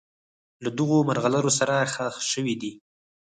له دغو مرغلرو سره ښخ شوي دي.